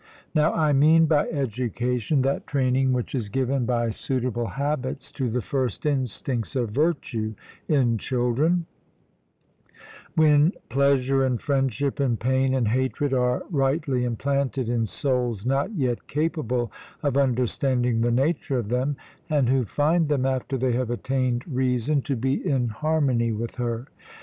Now I mean by education that training which is given by suitable habits to the first instincts of virtue in children; when pleasure, and friendship, and pain, and hatred, are rightly implanted in souls not yet capable of understanding the nature of them, and who find them, after they have attained reason, to be in harmony with her.